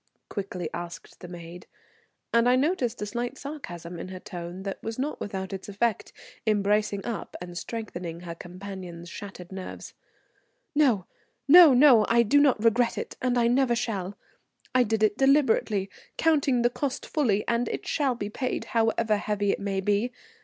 quickly asked the maid; and I noticed a slight sarcasm in her tone that was not without its effect in bracing up and strengthening her companion's shattered nerves. "No, no, no; I do not regret it, and I never shall. I did it deliberately, counting the cost fully, and it shall be paid, however heavy it may be.